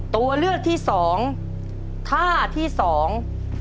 ตัวเลือกที่สองท่าที่สอง